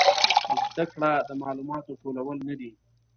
زده کړه د معلوماتو ټولول نه دي